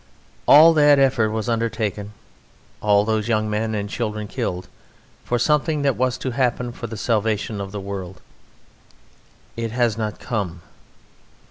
All that effort was undertaken, all those young men and children killed, for something that was to happen for the salvation of the world; it has not come.